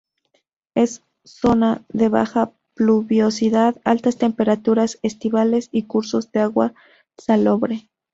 Es zona de baja pluviosidad, altas temperaturas estivales y cursos de agua salobre.